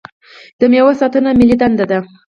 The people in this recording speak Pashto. د میوو ساتنه ملي دنده ده.